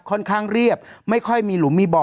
ค่อนข้างเรียบไม่ค่อยมีหลุมมีบ่อ